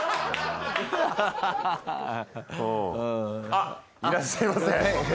あっいらっしゃいませ。